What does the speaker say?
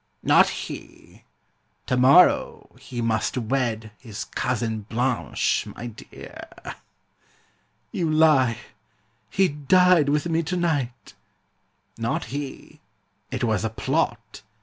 'Not he! To morrow he must wed His cousin Blanche, my dear!' 'You lie, he died with me to night.' 'Not he! it was a plot' ...